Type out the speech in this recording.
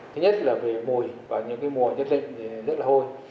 thứ nhất là về mùi và những mùi nhất định rất là hôi